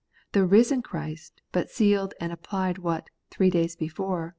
The risen Christ but sealed and applied what, three days before.